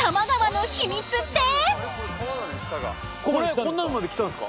こんなのまで来たんすか⁉